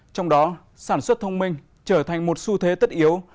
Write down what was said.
trong đó sản xuất thông minh trở thành một xu thế tất yếu